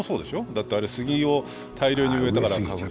だって杉を大量に植えたから。